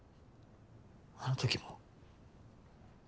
あの時も。